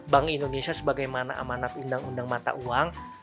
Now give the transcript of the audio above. bank indonesia sebagaimana amanat undang undang mata uang